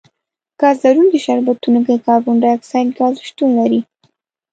ګاز لرونکي شربتونو کې کاربن ډای اکسایډ ګاز شتون لري.